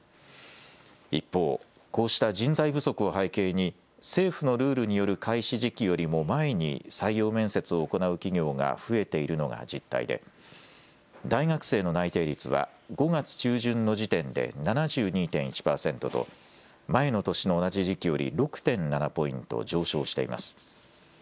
一方、こうした人材不足を背景に政府のルールによる開始時期よりも前に採用面接を行う企業が増えているのが実態で大学生の内定率は５月中旬の時点で７２．１％と前の年の同じ時期より６．７ポイント上昇しています。